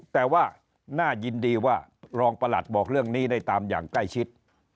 แต่ว่าน่ายินดีว่ารองประหลัดบอกเรื่องนี้ได้ตามอย่างใกล้ชิด